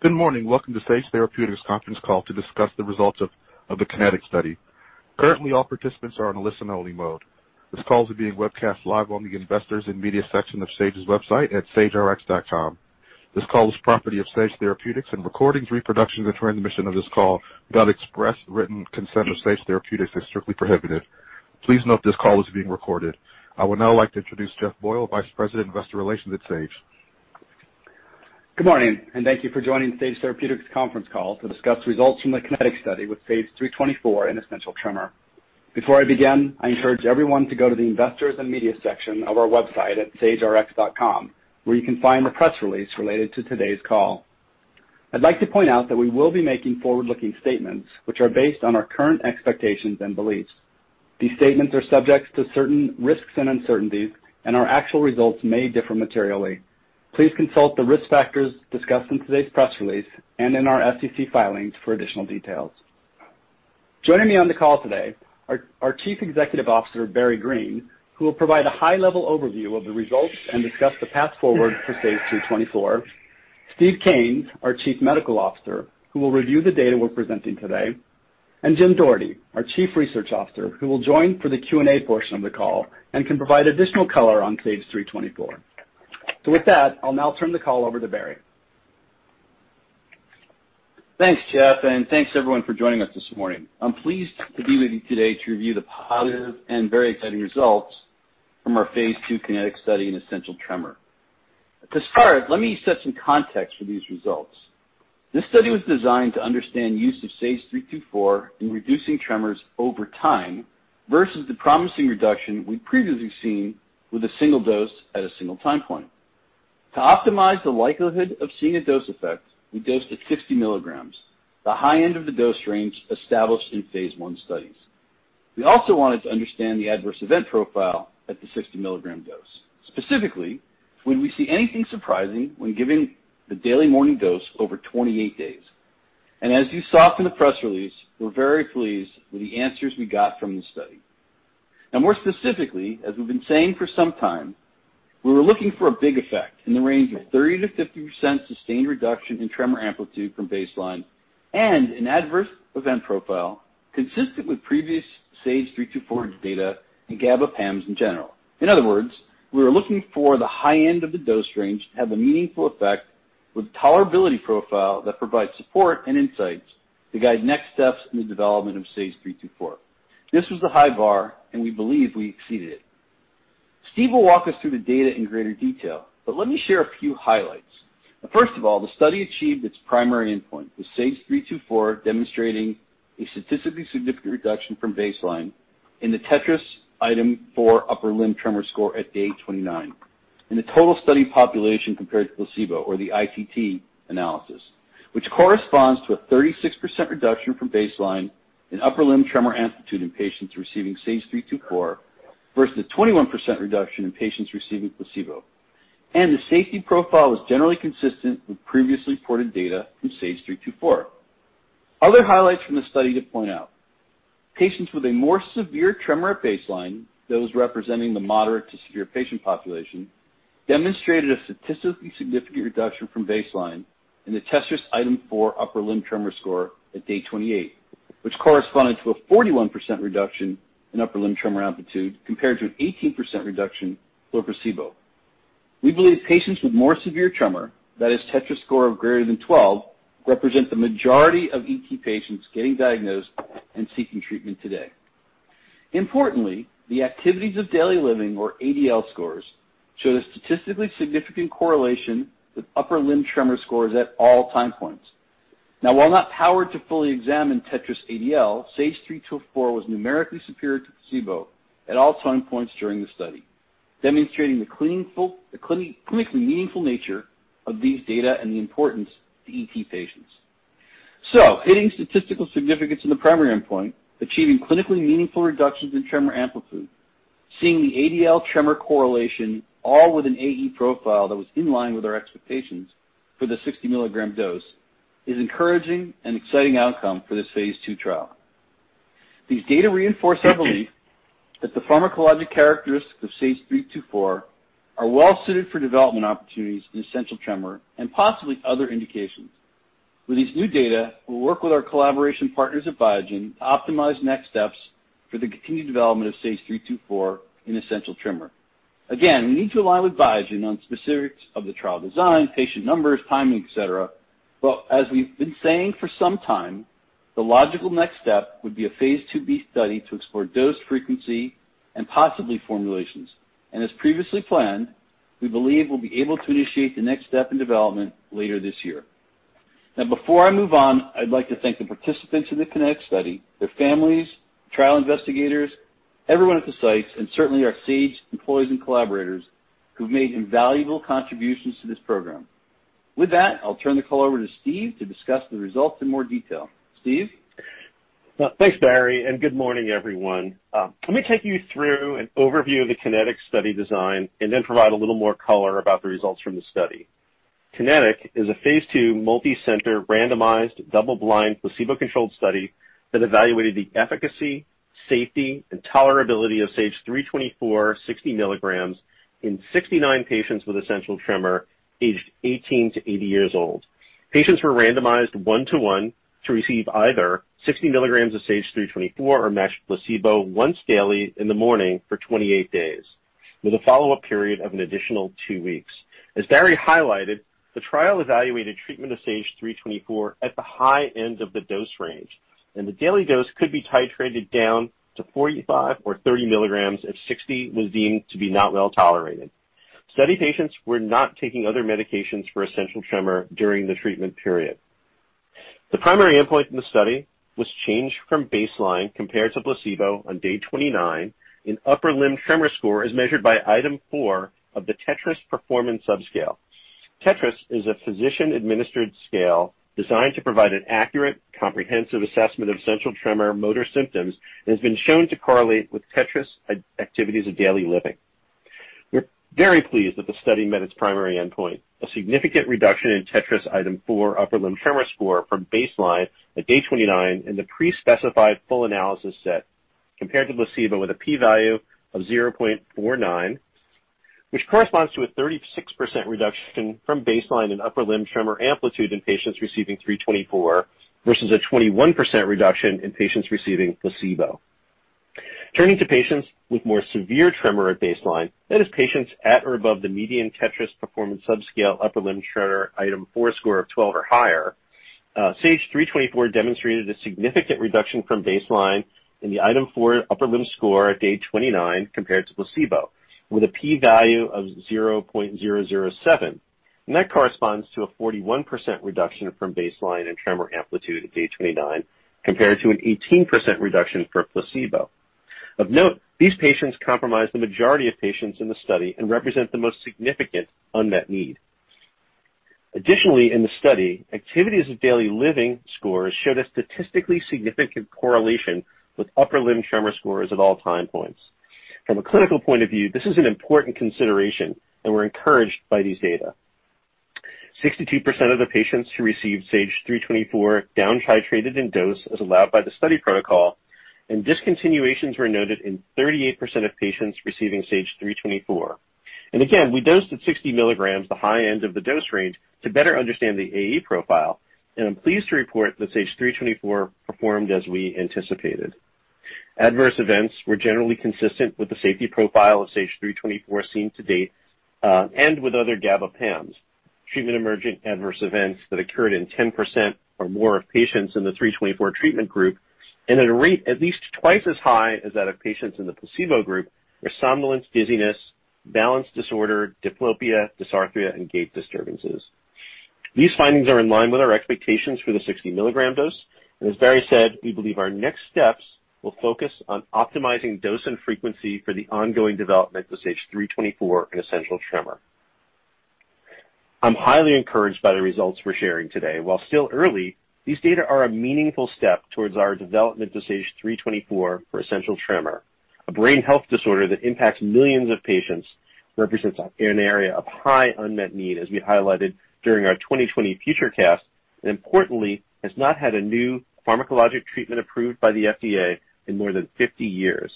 Good morning. Welcome to Sage Therapeutics conference call to discuss the results of the KINETIC Study. Currently, all participants are in listen-only mode. This call is being webcast live on the Investors and Media section of Sage's website at sagerx.com. This call is property of Sage Therapeutics, and recordings, reproductions, and transmission of this call without express written consent of Sage Therapeutics is strictly prohibited. Please note this call is being recorded. I would now like to introduce Jeff Boyle, Vice President of Investor Relations at Sage. Good morning, thank you for joining Sage Therapeutics conference call to discuss results from the KINETIC Study with SAGE-324 in essential tremor. Before I begin, I encourage everyone to go to the Investors and Media section of our website at sagerx.com, where you can find the press release related to today's call. I'd like to point out that we will be making forward-looking statements which are based on our current expectations and beliefs. These statements are subject to certain risks and uncertainties, and our actual results may differ materially. Please consult the risk factors discussed in today's press release and in our SEC filings for additional details. Joining me on the call today are our Chief Executive Officer, Barry Greene, who will provide a high-level overview of the results and discuss the path forward for SAGE-324, Steve Kanes, our Chief Medical Officer, who will review the data we're presenting today, and Jim Doherty, our Chief Research Officer, who will join for the Q&A portion of the call and can provide additional color on SAGE-324. With that, I'll now turn the call over to Barry. Thanks, Jeff, thanks, everyone, for joining us this morning. I'm pleased to be with you today to review the positive and very exciting results from our phase II KINETIC Study in essential tremor. To start, let me set some context for these results. This study was designed to understand use of SAGE-324 in reducing tremors over time versus the promising reduction we'd previously seen with a single dose at a single time point. To optimize the likelihood of seeing a dose effect, we dosed at 60 mg, the high end of the dose range established in phase I studies. We also wanted to understand the adverse event profile at the 60mg dose. Specifically, would we see anything surprising when giving the daily morning dose over 28 days? As you saw from the press release, we're very pleased with the answers we got from the study. More specifically, as we've been saying for some time, we were looking for a big effect in the range of 30%-50% sustained reduction in tremor amplitude from baseline and an adverse event profile consistent with previous SAGE-324 data and gabapentin in general. In other words, we were looking for the high end of the dose range to have a meaningful effect with tolerability profile that provides support and insights to guide next steps in the development of SAGE-324. This was a high bar, and we believe we exceeded it. Steve will walk us through the data in greater detail, but let me share a few highlights. First of all, the study achieved its primary endpoint with SAGE-324 demonstrating a statistically significant reduction from baseline in the TETRAS Item 4 upper limb tremor score at day 29. In the total study population compared to placebo or the ITT analysis, which corresponds to a 36% reduction from baseline in upper limb tremor amplitude in patients receiving SAGE-324 versus the 21% reduction in patients receiving placebo. The safety profile was generally consistent with previously reported data from SAGE-324. Other highlights from the study to point out. Patients with a more severe tremor at baseline, those representing the moderate to severe patient population, demonstrated a statistically significant reduction from baseline in the TETRAS Item 4 upper limb tremor score at day 28, which corresponded to a 41% reduction in upper limb tremor amplitude compared to an 18% reduction for placebo. We believe patients with more severe tremor, that is TETRAS score of greater than 12, represent the majority of ET patients getting diagnosed and seeking treatment today. Importantly, the Activities of Daily Living, or ADL scores, showed a statistically significant correlation with upper limb tremor scores at all time points. While not powered to fully examine TETRAS ADL, SAGE-324 was numerically superior to placebo at all time points during the study, demonstrating the clinically meaningful nature of these data and the importance to ET patients. Hitting statistical significance in the primary endpoint, achieving clinically meaningful reductions in tremor amplitude, seeing the ADL tremor correlation all with an AE profile that was in line with our expectations for the 60 mg dose is encouraging an exciting outcome for this phase II trial. These data reinforce our belief that the pharmacologic characteristics of SAGE-324 are well suited for development opportunities in essential tremor and possibly other indications. With these new data, we'll work with our collaboration partners at Biogen to optimize next steps for the continued development of SAGE-324 in essential tremor. Again, we need to rely with Biogen on specifics of the trial design, patient numbers, timing, et cetera. As we've been saying for some time, the logical next step would be a phase II-B study to explore dose frequency and possibly formulations. As previously planned, we believe we'll be able to initiate the next step in development later this year. Now before I move on, I'd like to thank the participants in the KINETIC Study, their families, trial investigators, everyone at the sites, and certainly our Sage employees and collaborators who've made invaluable contributions to this program. With that, I'll turn the call over to Steve to discuss the results in more detail. Steve? Well, thanks, Barry, and good morning, everyone. Let me take you through an overview of the KINETIC Study design and then provide a little more color about the results from the study. KINETIC is a phase II multicenter randomized double-blind placebo-controlled study that evaluated the efficacy, safety and tolerability of SAGE-324 60 mg in 69 patients with essential tremor aged 18 to 80 years old. Patients were randomized 1-to-1 to receive either 60 mg of SAGE-324 or matched placebo once daily in the morning for 28 days, with a follow-up period of an additional two weeks. As Barry highlighted, the trial evaluated treatment of SAGE-324 at the high end of the dose range, and the daily dose could be titrated down to 45 or 30 mg if 60 mg was deemed to be not well tolerated. Study patients were not taking other medications for essential tremor during the treatment period. The primary endpoint in the study was changed from baseline compared to placebo on day 29 in upper limb tremor score as measured by item 4 of the TETRAS Performance Subscale. TETRAS is a physician-administered scale designed to provide an accurate, comprehensive assessment of essential tremor motor symptoms and has been shown to correlate with TETRAS Activities of Daily Living. We're very pleased that the study met its primary endpoint. A significant reduction in TETRAS item 4 upper limb tremor score from baseline at day 29 in the pre-specified full analysis set compared to placebo with a p-value of 0.049, which corresponds to a 36% reduction from baseline in upper limb tremor amplitude in patients receiving SAGE-324 versus a 21% reduction in patients receiving placebo. Turning to patients with more severe tremor at baseline, that is, patients at or above the median TETRAS performance subscale upper limb tremor item 4 score of 12 or higher. SAGE-324 demonstrated a significant reduction from baseline in the item 4 upper limb score at day 29 compared to placebo with a p-value of 0.007, and that corresponds to a 41% reduction from baseline in tremor amplitude at day 29 compared to an 18% reduction for placebo. Of note, these patients comprise the majority of patients in the study and represent the most significant unmet need. Additionally, in the study, Activities of Daily Living scores showed a statistically significant correlation with upper limb tremor scores at all time points. From a clinical point of view, this is an important consideration, and we're encouraged by these data. 62% of the patients who received SAGE-324 down-titrated in dose as allowed by the study protocol, and discontinuations were noted in 38% of patients receiving SAGE-324. Again, we dosed at 60 mg, the high end of the dose range, to better understand the AE profile. I'm pleased to report that SAGE-324 performed as we anticipated. Adverse events were generally consistent with the safety profile of SAGE-324 seen to date, and with other gabapentin. Treatment-emergent adverse events that occurred in 10% or more of patients in the SAGE-324 treatment group and at a rate at least twice as high as that of patients in the placebo group were somnolence, dizziness, balance disorder, diplopia, dysarthria, and gait disturbances. These findings are in line with our expectations for the 60 mg dose. As Barry said, we believe our next steps will focus on optimizing dose and frequency for the ongoing development of SAGE-324 in essential tremor. I'm highly encouraged by the results we're sharing today. While still early, these data are a meaningful step towards our development of SAGE-324 for essential tremor. A brain health disorder that impacts millions of patients, represents an area of high unmet need, as we highlighted during our 2020 FutureCast, and importantly, has not had a new pharmacologic treatment approved by the FDA in more than 50 years.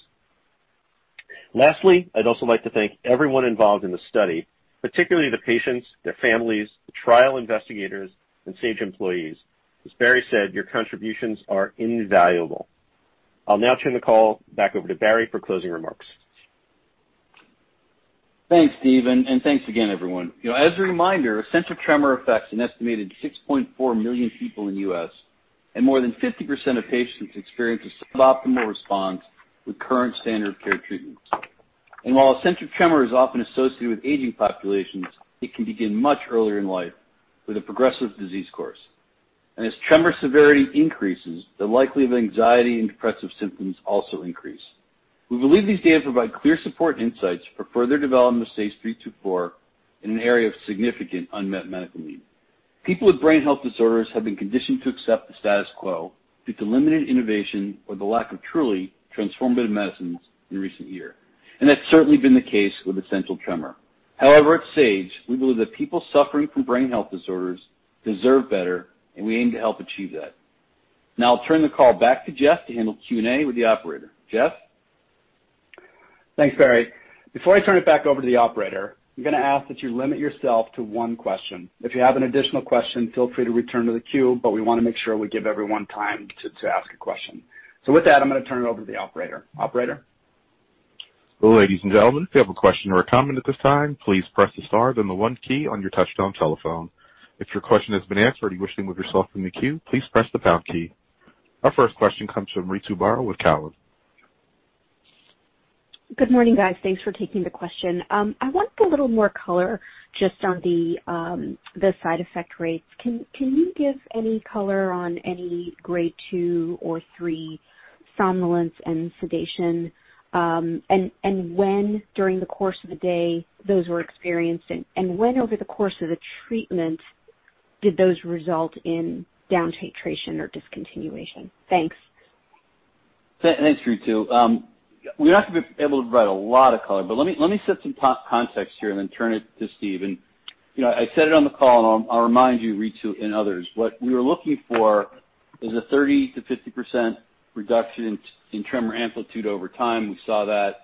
Lastly, I'd also like to thank everyone involved in the study, particularly the patients, their families, the trial investigators, and Sage employees. As Barry said, your contributions are invaluable. I'll now turn the call back over to Barry for closing remarks. Thanks, Steve, thanks again, everyone. As a reminder, essential tremor affects an estimated 6.4 million people in the U.S., and more than 50% of patients experience a suboptimal response with current standard care treatments. While essential tremor is often associated with aging populations, it can begin much earlier in life with a progressive disease course. As tremor severity increases, the likelihood of anxiety and depressive symptoms also increase. We believe these data provide clear support insights for further development of SAGE-324 in an area of significant unmet medical need. People with brain health disorders have been conditioned to accept the status quo due to limited innovation or the lack of truly transformative medicines in recent years. That's certainly been the case with essential tremor. However, at Sage, we believe that people suffering from brain health disorders deserve better, and we aim to help achieve that. Now I'll turn the call back to Jeff to handle Q&A with the operator. Jeff? Thanks, Barry. Before I turn it back over to the operator, I'm going to ask that you limit yourself to one question. If you have an additional question, feel free to return to the queue, but we want to make sure we give everyone time to ask a question. With that, I'm going to turn it over to the operator. Operator? Ladies and gentlemen, if you have a question or comment at this time, please press the star then the one key on your touchtone telephone. If your question has been answered and you wish to withdraw yourself from the queue, please press the pound key. Our first question comes from Ritu Baral with Cowen. Good morning, guys. Thanks for taking the question. I want a little more color just on the side effect rates. Can you give any color on any grade 2 or 3 somnolence and sedation? When, during the course of the day, those were experienced, and when over the course of the treatment did those result in down-titration or discontinuation? Thanks. Thanks, Ritu. We're not going to be able to provide a lot of color, but let me set some context here and then turn it to Steve. I said it on the call, and I'll remind you, Ritu and others, what we were looking for is a 30%-50% reduction in tremor amplitude over time. We saw that.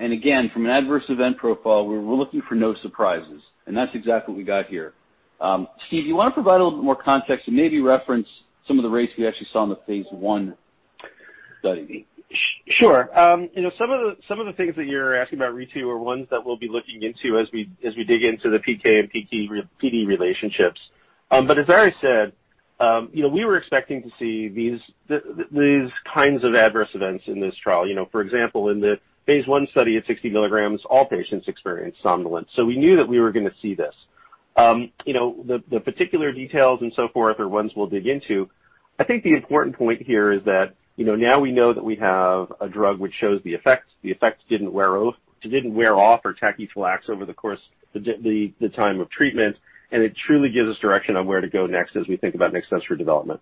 Again, from an adverse event profile, we were looking for no surprises. That's exactly what we got here. Steve, do you want to provide a little bit more context and maybe reference some of the rates we actually saw in the phase I study? Sure. Some of the things that you're asking about, Ritu, are ones that we'll be looking into as we dig into the PK and PD relationships. As Barry said, we were expecting to see these kinds of adverse events in this trial. For example, in the phase I study at 60 mg, all patients experienced somnolence. We knew that we were going to see this. The particular details and so forth are ones we'll dig into. I think the important point here is that now we know that we have a drug which shows the effects. The effects didn't wear off or tachyphylaxis over the course the time of treatment, and it truly gives us direction on where to go next as we think about next steps for development.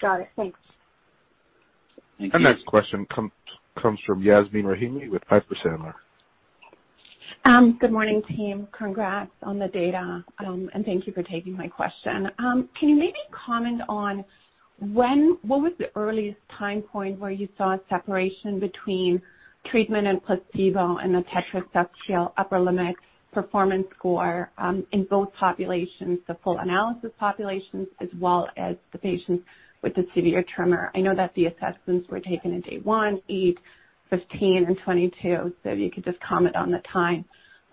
Got it. Thanks. Thank you. Our next question comes from Yasmeen Rahimi with Piper Sandler. Good morning, team. Congrats on the data. Thank you for taking my question. Can you maybe comment on what was the earliest time point where you saw a separation between treatment and placebo in the TETRAS Performance Subscale upper limb performance score in both populations, the full analysis populations as well as the patients with the severe tremor? I know that the assessments were taken at day one, eight, 15, and 22. If you could just comment on the time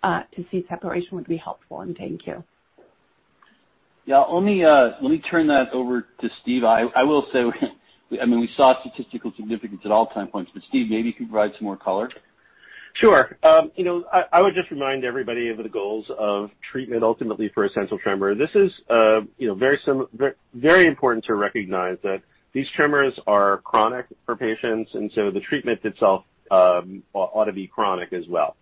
to see separation would be helpful. Thank you. Yeah. Let me turn that over to Steve. I will say, we saw statistical significance at all time points. Steve, maybe you could provide some more color. Sure. I would just remind everybody of the goals of treatment ultimately for essential tremor. This is very important to recognize that these tremors are chronic for patients, and so the treatment itself ought to be chronic as well.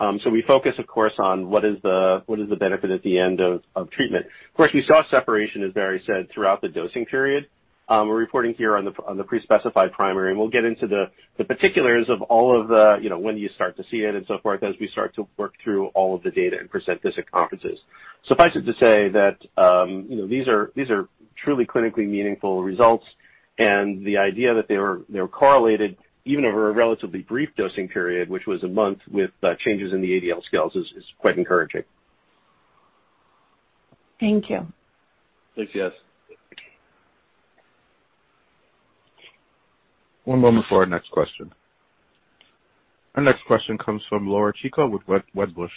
We focus, of course, on what is the benefit at the end of treatment. Of course, we saw separation, as Barry said, throughout the dosing period. We're reporting here on the pre-specified primary, and we'll get into the particulars of all of the when you start to see it and so forth as we start to work through all of the data and present this at conferences. Suffice it to say that these are truly clinically meaningful results, and the idea that they were correlated even over a relatively brief dosing period, which was a month, with changes in the ADL scales, is quite encouraging. Thank you. Thanks, Yas. One moment for our next question. Our next question comes from Laura Chico with Wedbush.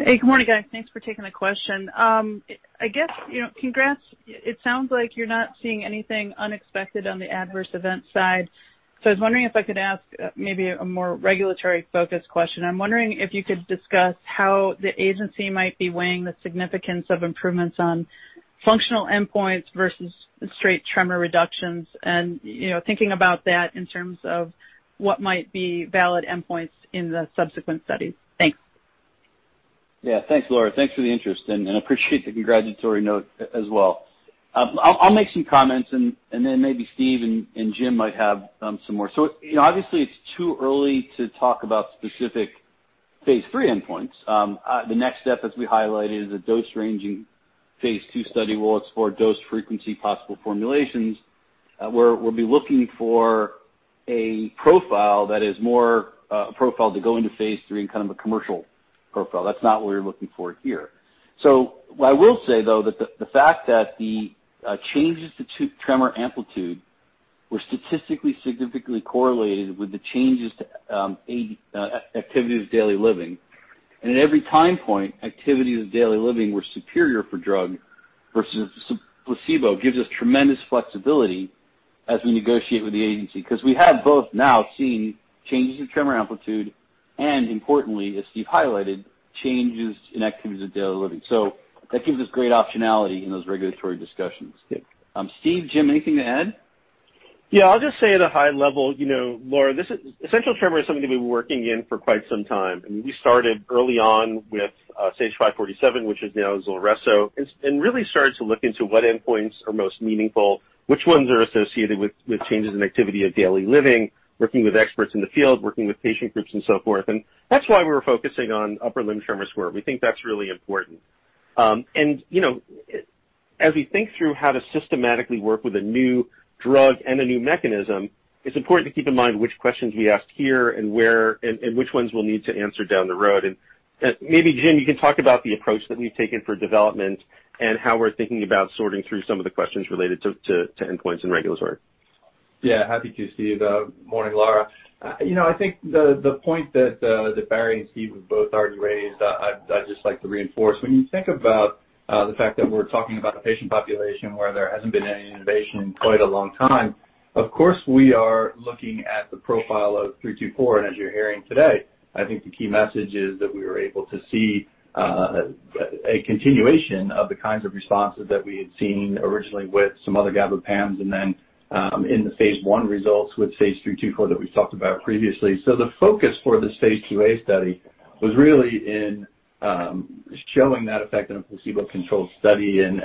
Hey, good morning, guys. Thanks for taking the question. I guess, congrats. It sounds like you're not seeing anything unexpected on the adverse event side. I was wondering if I could ask maybe a more regulatory-focused question. I'm wondering if you could discuss how the agency might be weighing the significance of improvements on functional endpoints versus straight tremor reductions, and thinking about that in terms of what might be valid endpoints in the subsequent studies. Thanks. Yeah. Thanks, Laura. Thanks for the interest, and appreciate the congratulatory note as well. I'll make some comments, and then maybe Steve and Jim might have some more. Obviously it's too early to talk about specific phase III endpoints. The next step, as we highlighted, is a dose-ranging phase II study. We'll explore dose frequency, possible formulations. We'll be looking for a profile that is more a profile to go into phase III and a commercial profile. That's not what we're looking for here. What I will say, though, that the fact that the changes to tremor amplitude were statistically significantly correlated with the changes to Activities of Daily Living. At every time point, Activities of Daily Living were superior for drug versus placebo, gives us tremendous flexibility as we negotiate with the agency because we have both now seen changes in tremor amplitude and, importantly, as Steve highlighted, changes in Activities of Daily Living. That gives us great optionality in those regulatory discussions. Steve, Jim, anything to add? Yeah, I'll just say at a high level, Laura, essential tremor is something that we've been working in for quite some time. I mean, we started early on with SAGE-547, which is now ZULRESSO, really started to look into what endpoints are most meaningful, which ones are associated with changes in activity of daily living, working with experts in the field, working with patient groups and so forth, that's why we're focusing on upper limb tremor score. We think that's really important. As we think through how to systematically work with a new drug and a new mechanism, it's important to keep in mind which questions we ask here and which ones we'll need to answer down the road. Maybe, Jim, you can talk about the approach that we've taken for development and how we're thinking about sorting through some of the questions related to endpoints and regulatory. Yeah, happy to, Steve. Morning, Laura. I think the point that Barry and Steve have both already raised, I'd just like to reinforce. When you think about the fact that we're talking about a patient population where there hasn't been any innovation in quite a long time. Of course, we are looking at the profile of SAGE-324, and as you're hearing today, I think the key message is that we were able to see a continuation of the kinds of responses that we had seen originally with some other gabapentin and then in the phase I results with SAGE-324 that we've talked about previously. The focus for this phase II-A study was really in showing that effect in a placebo-controlled study, and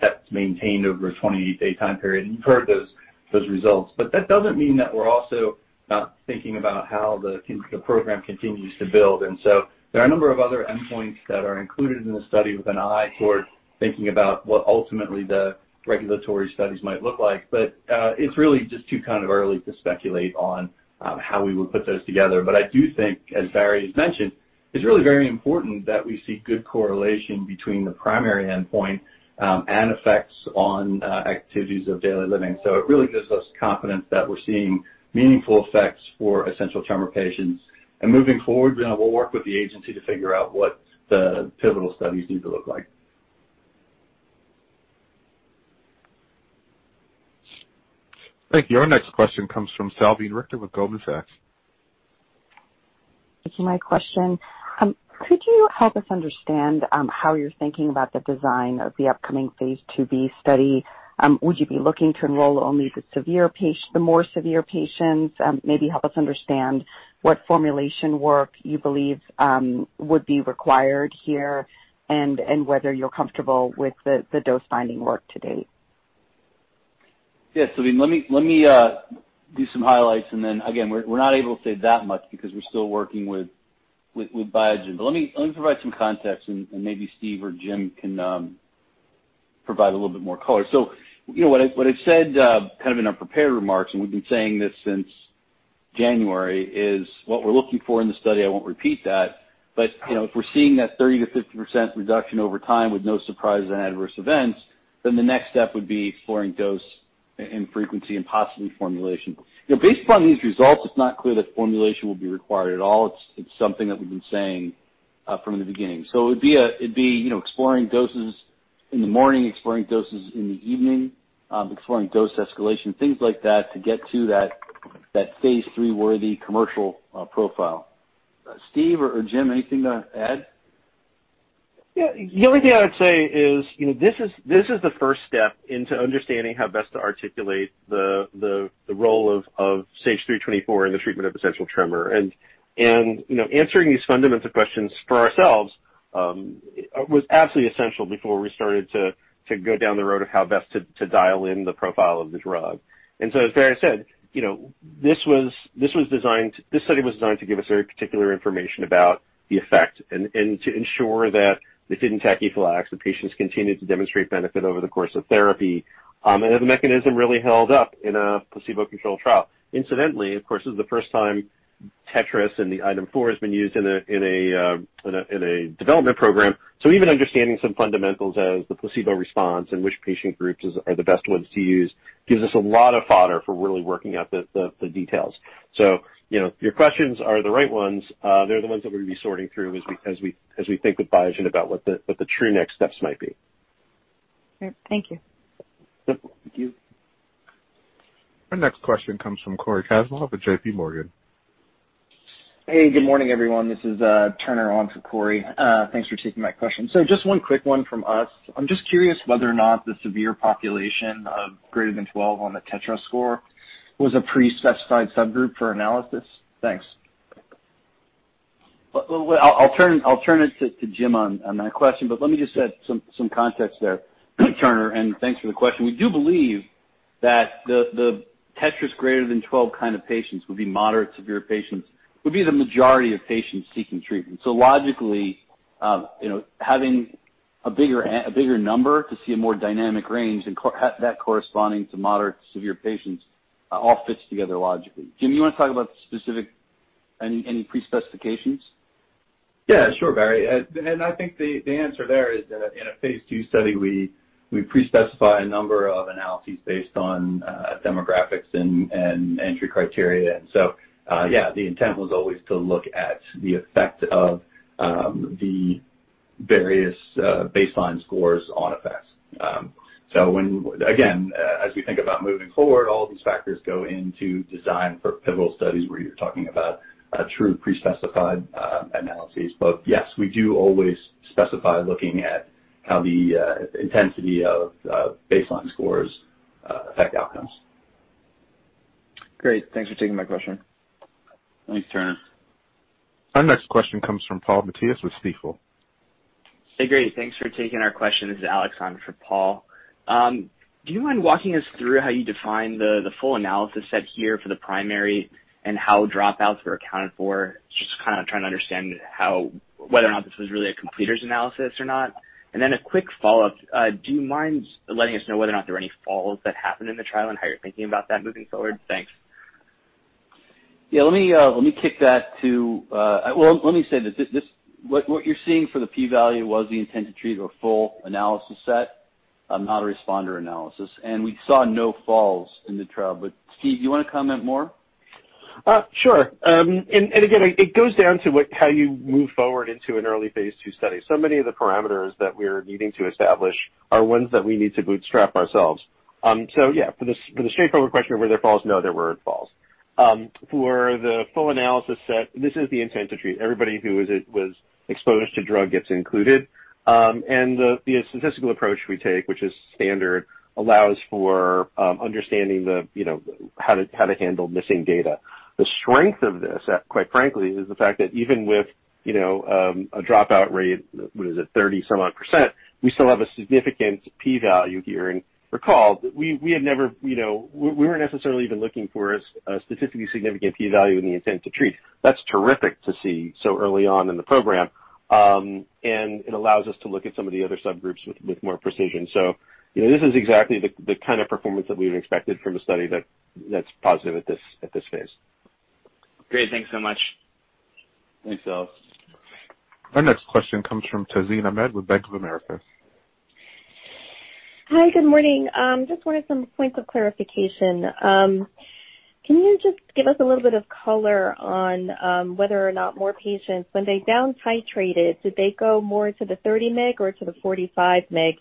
that's maintained over a 28-day time period. You've heard those results. That doesn't mean that we're also not thinking about how the program continues to build. There are a number of other endpoints that are included in the study with an eye toward thinking about what ultimately the regulatory studies might look like. It's really just too early to speculate on how we would put those together. I do think, as Barry has mentioned, it's really very important that we see good correlation between the primary endpoint and effects on Activities of Daily Living. It really gives us confidence that we're seeing meaningful effects for essential tremor patients. Moving forward, we'll work with the agency to figure out what the pivotal studies need to look like. Thank you. Our next question comes from Salveen Richter with Goldman Sachs. Thank you. My question, could you help us understand how you're thinking about the design of the upcoming phase II-B study? Would you be looking to enroll only the more severe patients? Maybe help us understand what formulation work you believe would be required here and whether you're comfortable with the dose finding work to date. Yeah, Salveen, let me do some highlights and then again, we're not able to say that much because we're still working with Biogen. Let me provide some context and maybe Steve or Jim can provide a little bit more color. What I've said kind of in our prepared remarks, and we've been saying this since January, is what we're looking for in the study, I won't repeat that. If we're seeing that 30%-50% reduction over time with no surprises in adverse events, then the next step would be exploring dose, and frequency, and possibly formulation. Based upon these results, it's not clear that formulation will be required at all. It's something that we've been saying from the beginning. It'd be exploring doses in the morning, exploring doses in the evening, exploring dose escalation, things like that to get to that phase III worthy commercial profile. Steve or Jim, anything to add? Yeah. The only thing I would say is this is the first step into understanding how best to articulate the role of SAGE-324 in the treatment of essential tremor. Answering these fundamental questions for ourselves was absolutely essential before we started to go down the road of how best to dial in the profile of the drug. As Barry said, this study was designed to give us very particular information about the effect and to ensure that they didn't tachyphylax, the patients continued to demonstrate benefit over the course of therapy. The mechanism really held up in a placebo-controlled trial. Incidentally, of course, this is the first time TETRAS and the Item 4 has been used in a development program. Even understanding some fundamentals as the placebo response in which patient groups are the best ones to use gives us a lot of fodder for really working out the details. Your questions are the right ones. They're the ones that we're going to be sorting through as we think with Biogen about what the true next steps might be. Great. Thank you. Yep. Thank you. Our next question comes from Cory Kasimov with JPMorgan. Hey, good morning, everyone. This is Turner on for Cory. Thanks for taking my question. Just one quick one from us. I'm just curious whether or not the severe population of greater than 12 on the TETRAS score was a pre-specified subgroup for analysis. Thanks. I'll turn it to Jim on that question. Let me just add some context there, Turner, and thanks for the question. We do believe that the TETRAS greater than 12 kind of patients would be moderate to severe patients, would be the majority of patients seeking treatment. Logically, having a bigger number to see a more dynamic range and that corresponding to moderate to severe patients, all fits together logically. Jim, you want to talk about specific, any pre-specifications? Yeah, sure, Barry. I think the answer there is that in a phase II study, we pre-specify a number of analyses based on demographics and entry criteria. Yeah, the intent was always to look at the effect of the various baseline scores on effects. When, again, as we think about moving forward, all of these factors go into design for pivotal studies where you're talking about true pre-specified analyses. Yes, we do always specify looking at how the intensity of baseline scores affect outcomes. Great. Thanks for taking my question. Thanks, Turner. Our next question comes from Paul Matteis with Stifel. Hey, great. Thanks for taking our question. This is Alex on for Paul. Do you mind walking us through how you define the full analysis set here for the primary and how dropouts were accounted for? Just kind of trying to understand whether or not this was really a completers analysis or not. A quick follow-up. Do you mind letting us know whether or not there were any falls that happened in the trial, and how you're thinking about that moving forward? Thanks. Yeah, let me kick that. Well, let me say that what you're seeing for the p-value was the intent-to-treat or full analysis set, not a responder analysis. We saw no falls in the trial. Steve, you want to comment more? Sure. Again, it goes down to how you move forward into an early phase II study. Many of the parameters that we're needing to establish are ones that we need to bootstrap ourselves. Yeah, for the straightforward question of were there falls? No, there weren't falls. For the full analysis set, this is the intent to treat. Everybody who was exposed to drug gets included. The statistical approach we take, which is standard, allows for understanding how to handle missing data. The strength of this, quite frankly, is the fact that even with a dropout rate, what is it, 30-some-odd%, we still have a significant p-value here. Recall, we weren't necessarily even looking for a statistically significant P-value in the intent to treat. That's terrific to see so early on in the program. It allows us to look at some of the other subgroups with more precision. This is exactly the kind of performance that we've expected from a study that's positive at this phase. Great. Thanks so much. Thanks. Our next question comes from Tazeen Ahmad with Bank of America. Hi, good morning. Just wanted some points of clarification. Can you just give us a little bit of color on whether or not more patients, when they down-titrated, did they go more to the 30 mg or to the 45 mg?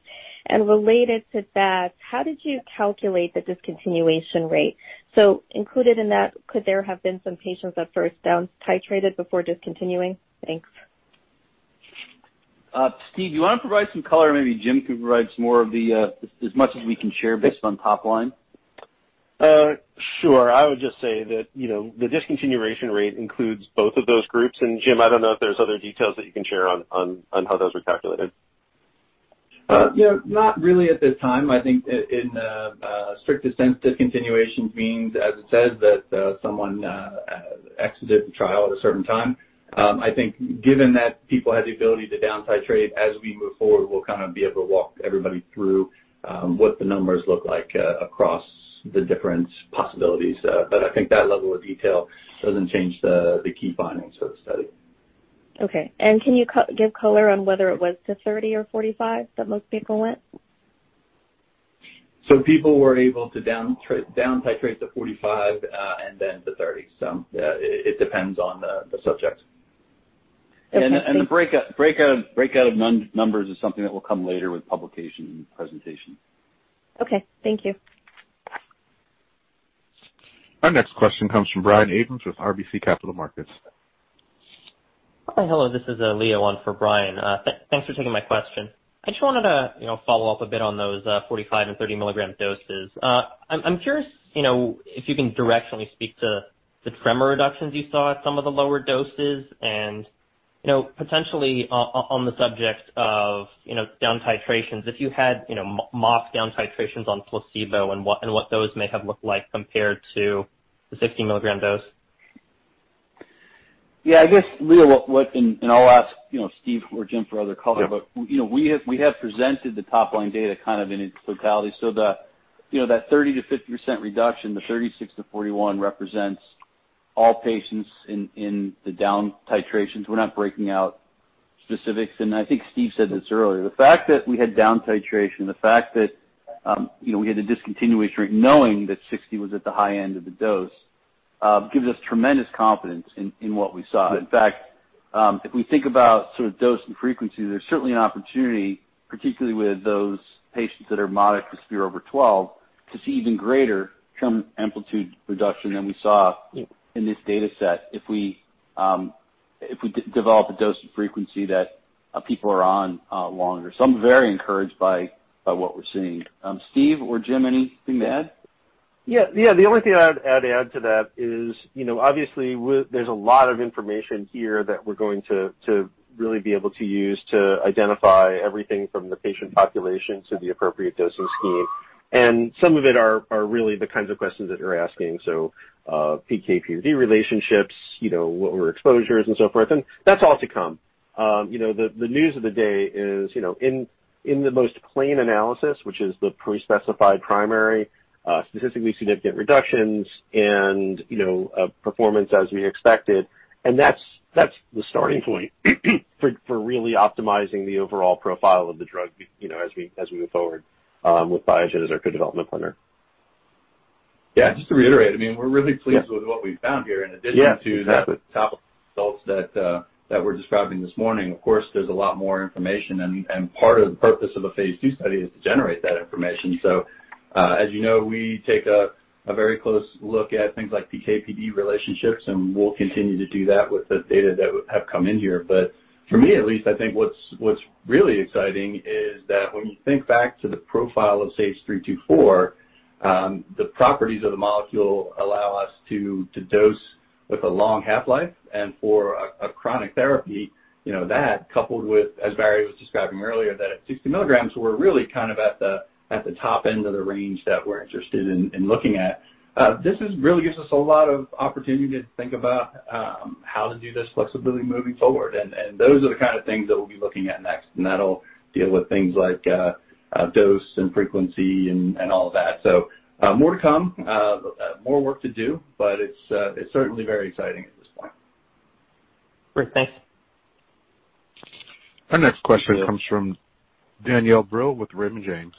Related to that, how did you calculate the discontinuation rate? Included in that, could there have been some patients that first down-titrated before discontinuing? Thanks. Steve, do you want to provide some color? Or maybe Jim can provide some more of the, as much as we can share based on top line. Sure. I would just say that the discontinuation rate includes both of those groups. Jim, I don't know if there's other details that you can share on how those were calculated. Not really at this time. I think in the strictest sense, discontinuation means, as it says, that someone exited the trial at a certain time. I think given that people had the ability to down titrate, as we move forward, we'll be able to walk everybody through what the numbers look like across the different possibilities. I think that level of detail doesn't change the key findings of the study. Okay. Can you give color on whether it was to 30 mg or 45 mg that most people went? People were able to down titrate to 45 mg and then to 30 mg. It depends on the subject. The breakout of numbers is something that will come later with publication and presentation. Okay. Thank you. Our next question comes from Brian Abrahams with RBC Capital Markets. Hi, hello. This is Leo on for Brian. Thanks for taking my question. I just wanted to follow up a bit on those 45 and 30 mg doses. I'm curious if you can directionally speak to the tremor reductions you saw at some of the lower doses and potentially on the subject of down titrations, if you had mock down titrations on placebo and what those may have looked like compared to the 60 mg dose. I guess, Leo, I'll ask Steve or Jim for other color. We have presented the top-line data in its totality. That 30%-50% reduction, the 36%-41% represents all patients in the down titrations. We're not breaking out specifics, and I think Steve said this earlier. The fact that we had down titration, the fact that we had a discontinuation rate knowing that 60 mg was at the high end of the dose, gives us tremendous confidence in what we saw. In fact, if we think about dose and frequency, there's certainly an opportunity, particularly with those patients that are moderate to severe over 12, to see even greater tremor amplitude reduction than we saw in this data set if we develop a dose and frequency that people are on longer. I'm very encouraged by what we're seeing. Steve or Jim, anything to add? Yeah. The only thing I'd add to that is, obviously, there's a lot of information here that we're going to really be able to use to identify everything from the patient population to the appropriate dosing scheme. Some of it are really the kinds of questions that you're asking. PK/PD relationships, what were exposures and so forth, and that's all to come. The news of the day is in the most plain analysis, which is the pre-specified primary, statistically significant reductions and performance as we expected. That's the starting point for really optimizing the overall profile of the drug as we move forward with Biogen as our co-development partner. Yeah, just to reiterate, we're really pleased with what we've found here. In addition to the top results that we're describing this morning, of course, there's a lot more information and part of the purpose of a phase II study is to generate that information. As you know, we take a very close look at things like PK/PD relationships, and we'll continue to do that with the data that have come in here. For me at least, I think what's really exciting is that when you think back to the profile of SAGE-324, the properties of the molecule allow us to dose with a long half-life and for a chronic therapy. That coupled with, as Barry was describing earlier, that at 60 mg, we're really at the top end of the range that we're interested in looking at. This really gives us a lot of opportunity to think about how to do this flexibly moving forward. Those are the kind of things that we'll be looking at next, and that'll deal with things like dose and frequency and all of that. More to come. More work to do, but it's certainly very exciting at this point. Great. Thanks. Our next question comes from Danielle Brill with Raymond James.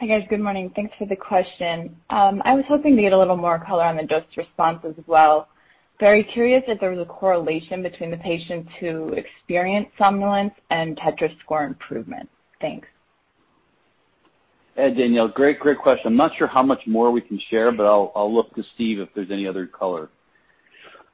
Hi, guys. Good morning. Thanks for the question. I was hoping to get a little more color on the dose response as well. Very curious if there was a correlation between the patients who experienced somnolence and TETRAS score improvement. Thanks. Danielle, great question. I'm not sure how much more we can share, but I'll look to Steve if there's any other color.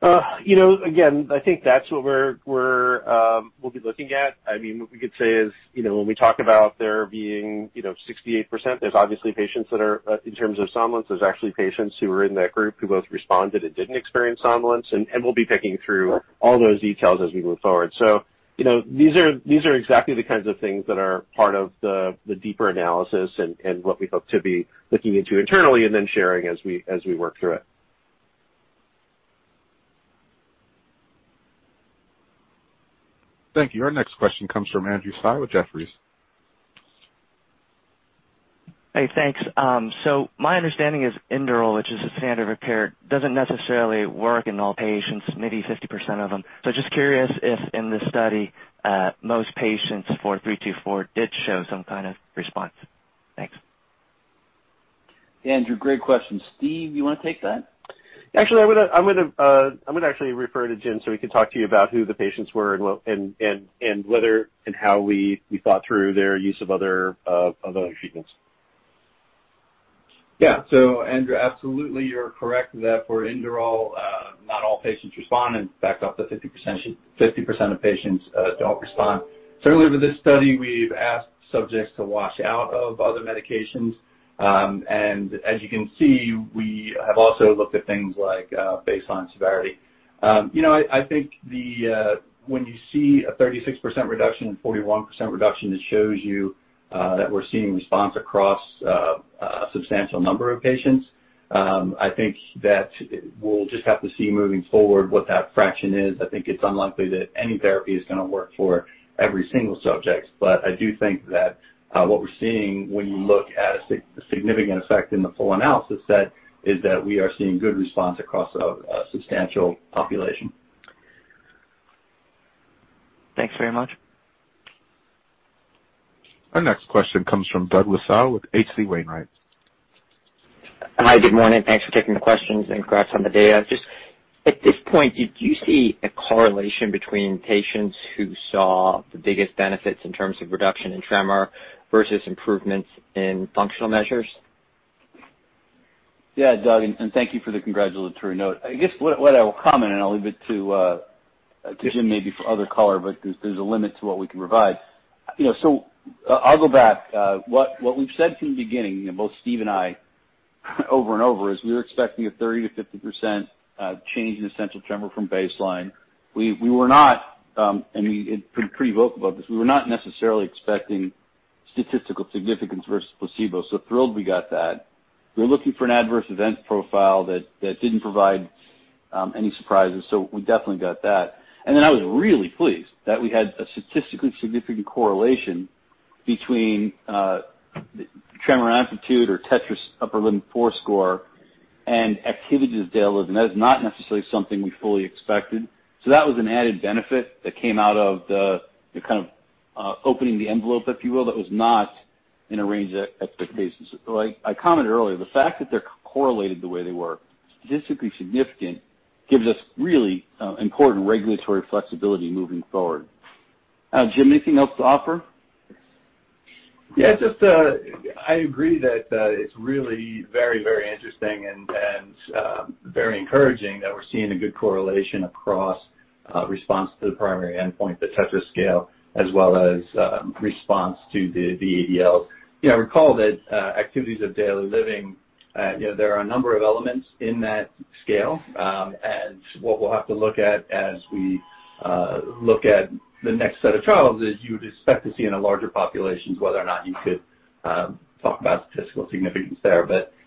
Again, I think that's what we'll be looking at. What we could say is, when we talk about there being 68%, there's obviously patients that are, in terms of somnolence, there's actually patients who are in that group who both responded and didn't experience somnolence. We'll be picking through all those details as we move forward. These are exactly the kinds of things that are part of the deeper analysis and what we hope to be looking into internally and then sharing as we work through it. Thank you. Our next question comes from Andrew Tsai with Jefferies. Hey, thanks. My understanding is Inderal, which is a standard of care, doesn't necessarily work in all patients, maybe 50% of them. Just curious if in this study, most patients for 324 did show some kind of response. Thanks. Andrew, great question. Steve, you want to take that? Actually, I'm going to actually refer to Jim so he can talk to you about who the patients were and whether and how we thought through their use of other treatments. Yeah. Andrew, absolutely you're correct that for Inderal, not all patients respond and in fact, up to 50% of patients don't respond. Certainly with this study, we've asked subjects to wash out of other medications. As you can see, we have also looked at things like baseline severity. I think when you see a 36% reduction and 41% reduction, it shows you that we're seeing response across a substantial number of patients. I think that we'll just have to see moving forward what that fraction is. I think it's unlikely that any therapy is going to work for every single subject. I do think that what we're seeing when you look at a significant effect in the full analysis set is that we are seeing good response across a substantial population. Thanks very much. Our next question comes from Doug Lassow with H.C. Wainwright. Hi. Good morning. Thanks for taking the questions. Congrats on the data. Just at this point, did you see a correlation between patients who saw the biggest benefits in terms of reduction in tremor versus improvements in functional measures? Yeah, Doug, thank you for the congratulatory note. I guess what I will comment, and I'll leave it to Jim maybe for other color, but there's a limit to what we can provide. I'll go back. What we've said from the beginning, both Steve and I, over and over, is we were expecting a 30%-50% change in essential tremor from baseline. We were not, and we've been pretty vocal about this, we were not necessarily expecting statistical significance versus placebo. Thrilled we got that. We were looking for an adverse event profile that didn't provide any surprises, so we definitely got that. I was really pleased that we had a statistically significant correlation between tremor amplitude or TETRAS Upper Limb 4 score and Activities of Daily Living. That is not necessarily something we fully expected. That was an added benefit that came out of the kind of opening the envelope, if you will, that was not in a range that I expected. I commented earlier, the fact that they're correlated the way they were, statistically significant, gives us really important regulatory flexibility moving forward. Jim, anything else to offer? Yeah, just I agree that it's really very interesting and very encouraging that we're seeing a good correlation across response to the primary endpoint, the TETRAS scale, as well as response to the ADLs. Recall that Activities of Daily Living, there are a number of elements in that scale. What we'll have to look at as we look at the next set of trials is you would expect to see in a larger population, whether or not you could talk about statistical significance there.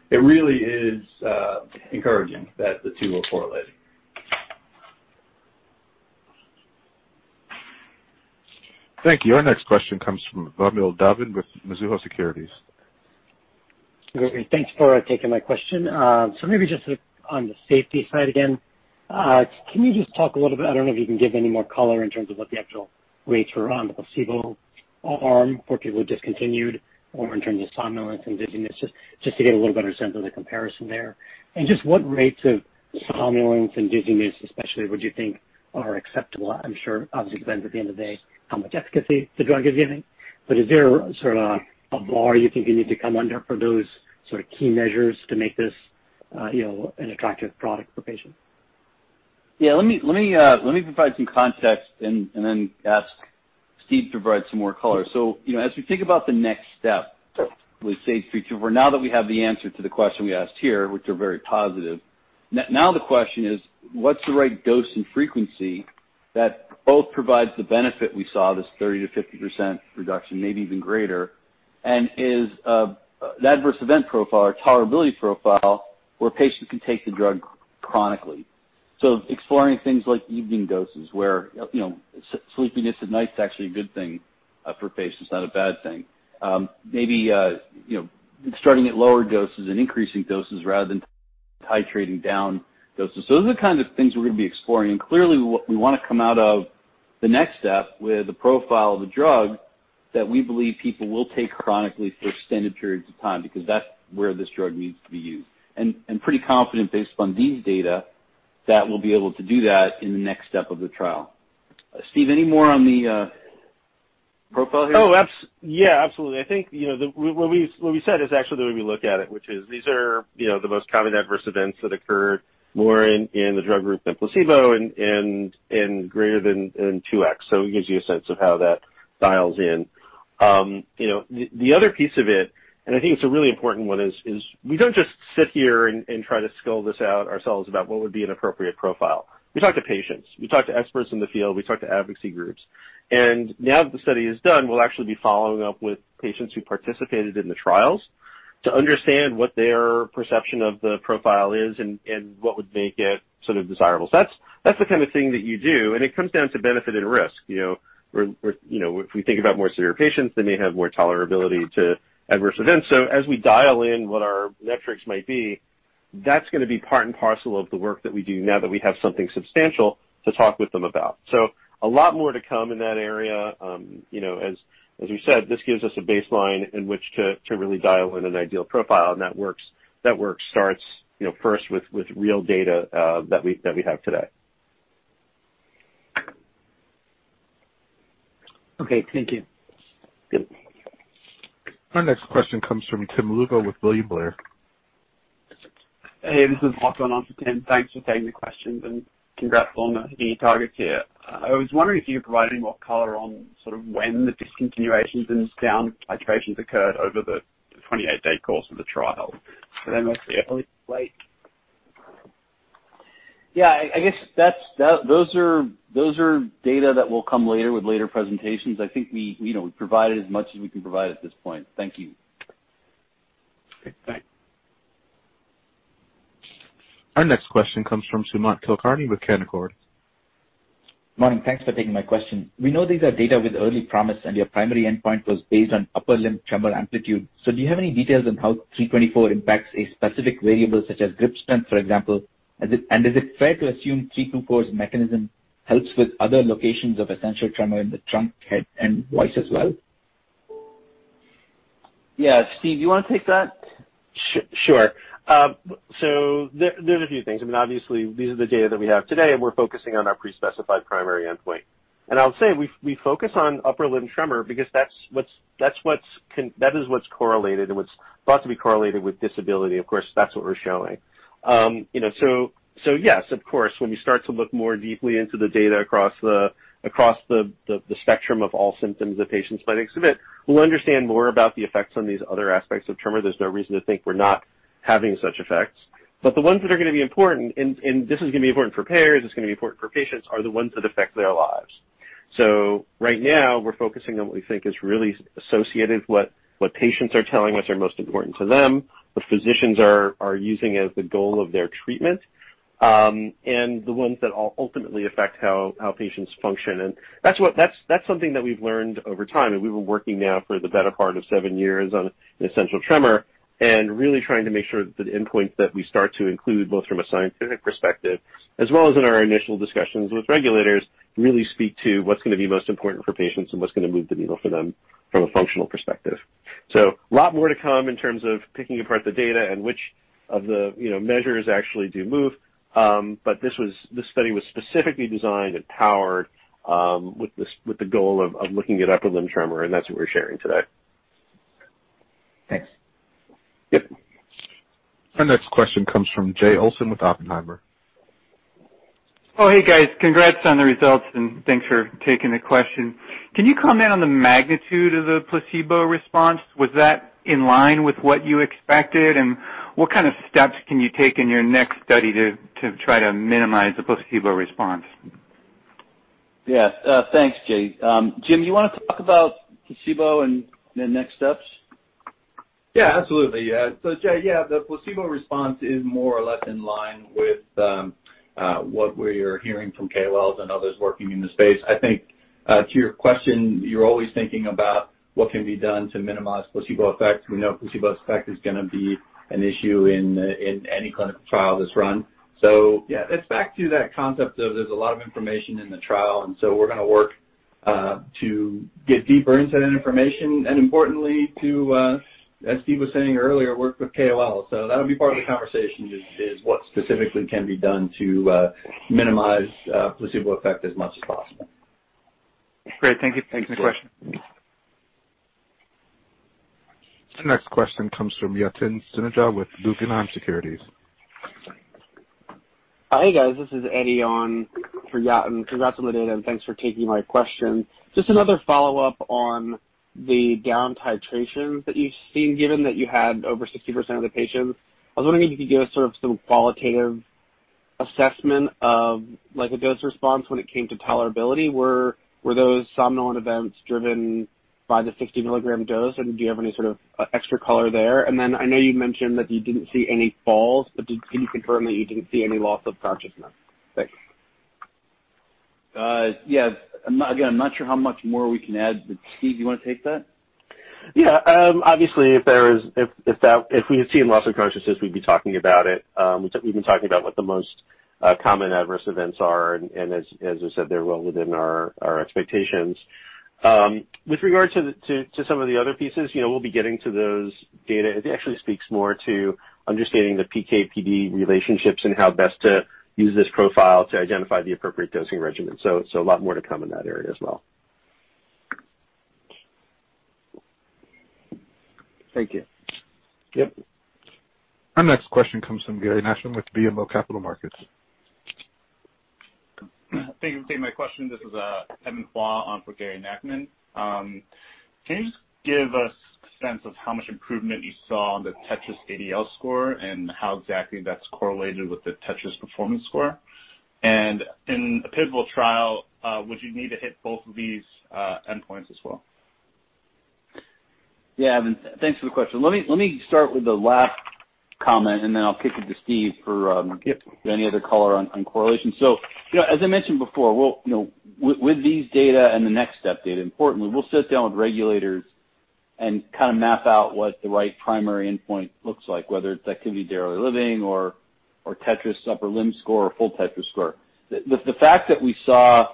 It really is encouraging that the two are correlated. Thank you. Our next question comes from Vamil Divan with Mizuho Securities. Great. Thanks for taking my question. Maybe just on the safety side again, can you just talk a little bit, I don't know if you can give any more color in terms of what the actual rates were on the placebo arm for people who discontinued or in terms of somnolence and dizziness, just to get a little better sense of the comparison there. Just what rates of somnolence and dizziness especially would you think are acceptable? I'm sure obviously depends at the end of the day how much efficacy the drug is giving. Is there sort of a bar you think you need to come under for those sort of key measures to make this an attractive product for patients? Yeah, let me provide some context and then ask Steve to provide some more color. As we think about the next step with SAGE-324, now that we have the answer to the question we asked here, which are very positive, now the question is what's the right dose and frequency that both provides the benefit we saw, this 30%-50% reduction, maybe even greater, and is the adverse event profile or tolerability profile where patients can take the drug chronically. Exploring things like evening doses where sleepiness at night is actually a good thing for patients, not a bad thing. Maybe starting at lower doses and increasing doses rather than titrating down doses. Those are the kinds of things we're going to be exploring. Clearly, we want to come out of the next step with a profile of the drug that we believe people will take chronically for extended periods of time, because that's where this drug needs to be used. Pretty confident based upon these data, that we'll be able to do that in the next step of the trial. Steve, any more on the profile here? Oh, yeah, absolutely. I think, what we said is actually the way we look at it, which is these are the most common adverse events that occurred more in the drug group than placebo and greater than 2x. It gives you a sense of how that dials in. The other piece of it, and I think it's a really important one, is we don't just sit here and try to scope this out ourselves about what would be an appropriate profile. We talk to patients, we talk to experts in the field, we talk to advocacy groups. Now that the study is done, we'll actually be following up with patients who participated in the trials to understand what their perception of the profile is and what would make it sort of desirable. That's the kind of thing that you do, and it comes down to benefit and risk. If we think about more severe patients, they may have more tolerability to adverse events. As we dial in what our metrics might be, that's going to be part and parcel of the work that we do now that we have something substantial to talk with them about. A lot more to come in that area. As we said, this gives us a baseline in which to really dial in an ideal profile. That work starts first with real data that we have today. Okay. Thank you. Yep. Our next question comes from Tim Lugo with William Blair. Hey, this is Lachlan on for Tim. Thanks for taking the questions and congrats on hitting your targets here. I was wondering if you could provide any more color on sort of when the discontinuations and down titrations occurred over the 28-day course of the trial. They must have been late. Yeah, I guess those are data that will come later with later presentations. I think we provided as much as we can provide at this point. Thank you. Okay, bye. Our next question comes from Sumant Kulkarni with Canaccord. Morning. Thanks for taking my question. We know these are data with early promise and your primary endpoint was based on upper limb tremor amplitude. Do you have any details on how SAGE-324 impacts a specific variable such as grip strength, for example? Is it fair to assume SAGE-324's mechanism helps with other locations of essential tremor in the trunk, head, and voice as well? Yeah. Steve, you want to take that? Sure. There's a few things. I mean, obviously, these are the data that we have today, and we're focusing on our pre-specified primary endpoint. I'll say, we focus on upper limb tremor because that is what's correlated and what's thought to be correlated with disability. Of course, that's what we're showing. Yes, of course, when we start to look more deeply into the data across the spectrum of all symptoms that patients might exhibit, we'll understand more about the effects on these other aspects of tremor. There's no reason to think we're not having such effects. The ones that are going to be important, and this is going to be important for payers, it's going to be important for patients, are the ones that affect their lives. Right now we're focusing on what we think is really associated, what patients are telling us are most important to them, what physicians are using as the goal of their treatment, and the ones that ultimately affect how patients function. That's something that we've learned over time, and we were working now for the better part of seven years on essential tremor and really trying to make sure that the endpoints that we start to include, both from a scientific perspective as well as in our initial discussions with regulators, really speak to what's going to be most important for patients and what's going to move the needle for them from a functional perspective. A lot more to come in terms of picking apart the data and which of the measures actually do move. This study was specifically designed and powered with the goal of looking at upper limb tremor, and that's what we're sharing today. Thanks. Yep. Our next question comes from Jay Olson with Oppenheimer. Oh, hey guys. Congrats on the results and thanks for taking the question. Can you comment on the magnitude of the placebo response? Was that in line with what you expected? What kind of steps can you take in your next study to try to minimize the placebo response? Yeah. Thanks, Jay. Jim, you want to talk about placebo and the next steps? Yeah, absolutely. Yeah. Jay, yeah, the placebo response is more or less in line with what we're hearing from KOLs and others working in the space. I think, to your question, you're always thinking about what can be done to minimize placebo effect. We know placebo effect is going to be an issue in any clinical trial that's run. Yeah, it's back to that concept of there's a lot of information in the trial, and so we're going to work to get deeper into that information and importantly, to, as Steve was saying earlier, work with KOLs. That'll be part of the conversation, is what specifically can be done to minimize placebo effect as much as possible. Great. Thank you. Thanks for the question. The next question comes from Yatin Suneja with B. Riley Securities. Hey, guys. This is Eddie on for Yatin. Congrats on the data and thanks for taking my question. Just another follow-up on the down titrations that you've seen, given that you had over 60% of the patients. I was wondering if you could give us sort of some qualitative assessment of the dose response when it came to tolerability. Were those somnolent events driven by the 60 mg dose, and do you have any sort of extra color there? Then I know you mentioned that you didn't see any falls, but can you confirm that you didn't see any loss of consciousness? Thanks. Yes. Again, I'm not sure how much more we can add. Steve, do you want to take that? Yeah. Obviously, if we had seen loss of consciousness, we'd be talking about it. We've been talking about what the most common adverse events are, and as I said, they're well within our expectations. With regard to some of the other pieces, we'll be getting to those data. It actually speaks more to understanding the PK/PD relationships and how best to use this profile to identify the appropriate dosing regimen. A lot more to come in that area as well. Thank you. Yep. Our next question comes from Gary Nachman with BMO Capital Markets. Thank you for taking my question. This is Evan Hua for Gary Nachman. Can you just give a sense of how much improvement you saw on the TETRAS ADL score and how exactly that's correlated with the TETRAS Performance score? In a pivotal trial, would you need to hit both of these endpoints as well? Yeah, Evan, thanks for the question. Let me start with the last comment, and then I'll kick it to Steve. Yep Any other color on correlation. As I mentioned before, with these data and the next step data, importantly, we'll sit down with regulators and map out what the right primary endpoint looks like, whether it's Activities of Daily Living or TETRAS upper limb score or full TETRAS score. The fact that we saw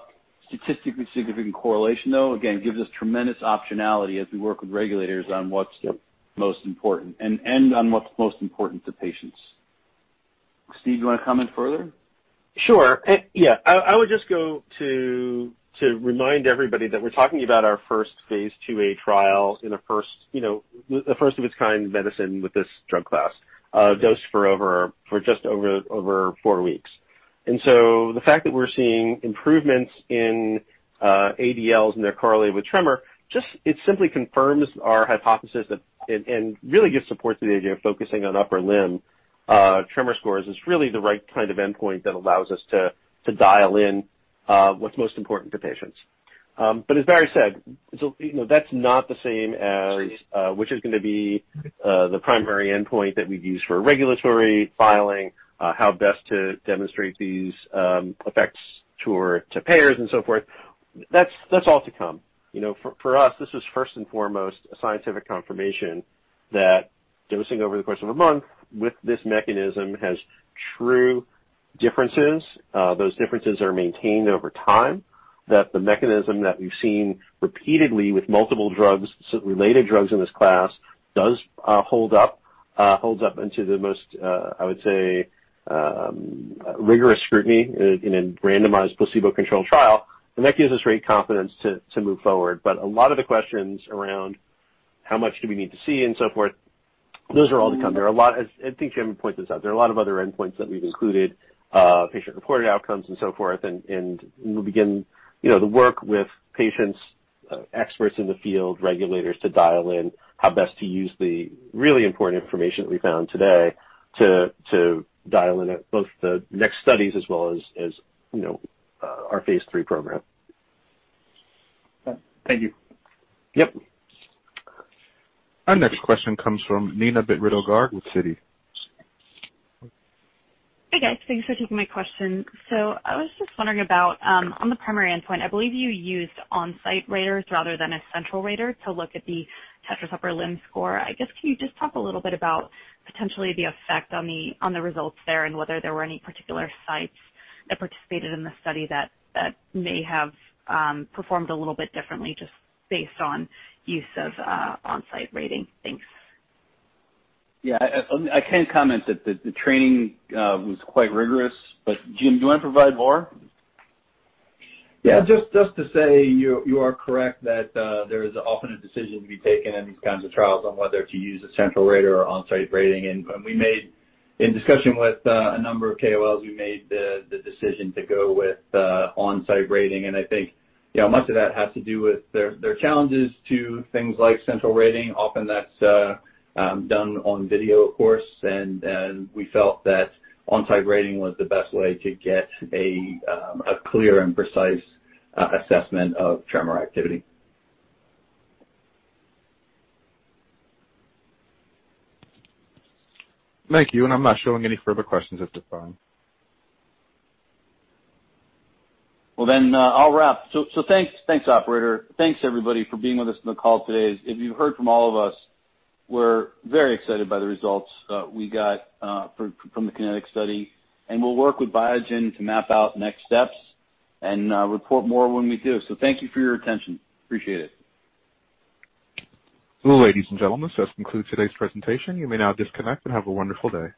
statistically significant correlation, though, again, gives us tremendous optionality as we work with regulators on what's most important and on what's most important to patients. Steve, do you want to comment further? Sure. Yeah. I would just go to remind everybody that we're talking about our first phase II-A trial in the first of its kind medicine with this drug class, dosed for just over four weeks. The fact that we're seeing improvements in ADLs and they're correlated with tremor, it simply confirms our hypothesis and really gives support to the idea of focusing on upper limb tremor scores as really the right kind of endpoint that allows us to dial in what's most important to patients. As Barry said, that's not the same as which is going to be the primary endpoint that we'd use for regulatory filing, how best to demonstrate these effects to payers and so forth. That's all to come. For us, this is first and foremost a scientific confirmation that dosing over the course of a month with this mechanism has true differences. Those differences are maintained over time. The mechanism that we've seen repeatedly with multiple related drugs in this class does hold up into the most, I would say, rigorous scrutiny in a randomized placebo-controlled trial. That gives us great confidence to move forward. A lot of the questions around how much do we need to see and so forth, those are all to come. I think Jim pointed this out. There are a lot of other endpoints that we've included, patient-reported outcomes and so forth. We'll begin the work with patients, experts in the field, regulators to dial in how best to use the really important information that we found today to dial in both the next studies as well as our phase III program. Thank you. Yep. Our next question comes from Neena Bitritto-Garg with Citi. Hey, guys. Thanks for taking my question. I was just wondering about on the primary endpoint, I believe you used on-site raters rather than a central rater to look at the TETRAS upper limb score. I guess, can you just talk a little bit about potentially the effect on the results there and whether there were any particular sites that participated in the study that may have performed a little bit differently just based on use of on-site rating? Thanks. Yeah. I can comment that the training was quite rigorous, but Jim, do you want to provide more? Yeah, just to say you are correct that there is often a decision to be taken in these kinds of trials on whether to use a central rater or on-site rating. In discussion with a number of KOLs, we made the decision to go with on-site rating. I think much of that has to do with there are challenges to things like central rating. Often that's done on video, of course, and we felt that on-site rating was the best way to get a clear and precise assessment of tremor activity. Thank you. I'm not showing any further questions at this time. I'll wrap. Thanks, operator. Thanks, everybody, for being with us on the call today. As you've heard from all of us, we're very excited by the results we got from the KINETIC Study, and we'll work with Biogen to map out next steps and report more when we do. Thank you for your attention. Appreciate it. Ladies and gentlemen, this concludes today's presentation. You may now disconnect and have a wonderful day.